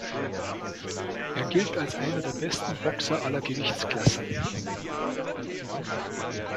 Er gilt als einer der besten Boxer aller Gewichtsklassen.